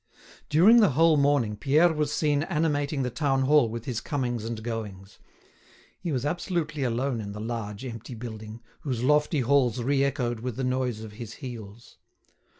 During the whole morning Pierre was seen animating the town hall with his goings and comings. He was absolutely alone in the large, empty building, whose lofty halls reechoed with the noise of his heels.